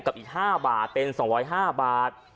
อีก๕บาทเป็น๒๐๕บาท